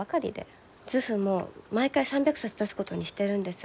図譜も毎回３００冊出すことにしてるんです。